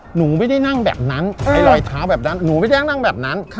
หนูไม่ได้นั่งแบบนั้นไอ้รอยเท้าแบบนั้นหนูไม่ได้นั่งแบบนั้น